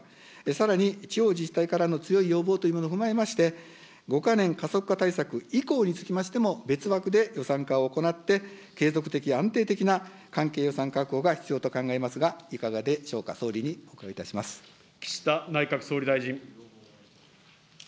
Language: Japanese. さらに地方自治体からの強い要望というものを踏まえまして、５か年加速化対策以降につきましても、別枠で予算化を行って、継続的、安定的な関係予算確保が必要と考えますが、いかがでしょう岸田内閣総理大臣。